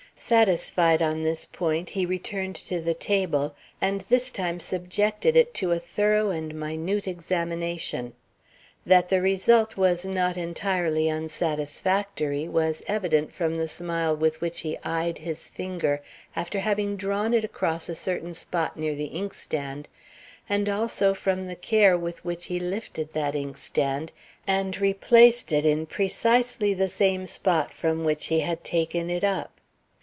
Satisfied on this point, he returned to the table, and this time subjected it to a thorough and minute examination. That the result was not entirely unsatisfactory was evident from the smile with which he eyed his finger after having drawn it across a certain spot near the inkstand, and also from the care with which he lifted that inkstand and replaced it in precisely the same spot from which he had taken it up.